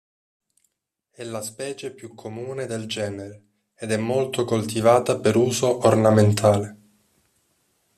È la specie più comune del genere, ed è molto coltivata per uso ornamentale.